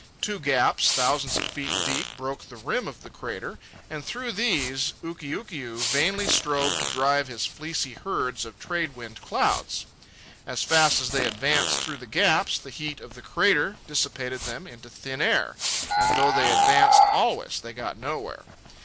Two gaps, thousands of feet deep, broke the rim of the crater, and through these Ukiukiu vainly strove to drive his fleecy herds of trade wind clouds. As fast as they advanced through the gaps, the heat of the crater dissipated them into thin air, and though they advanced always, they got nowhere.